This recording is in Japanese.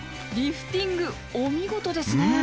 リフティングお見事ですね。